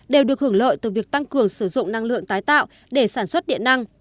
đều được hưởng lợi từ việc tăng cường sử dụng năng lượng tái tạo để sản xuất điện năng